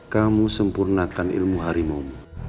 kamu sempurnakan ilmu harimau